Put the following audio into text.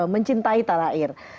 mencintai tanah air